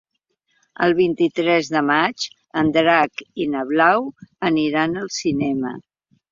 El vint-i-tres de maig en Drac i na Blau aniran al cinema.